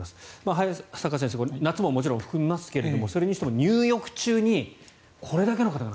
早坂先生夏ももちろん含みますがそれにしても入浴中にこれだけの方が。